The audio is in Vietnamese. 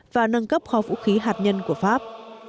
và nâng cấp kho vũ khí hạt nhân của pháp